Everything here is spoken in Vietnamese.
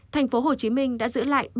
tp hcm đã giữ lại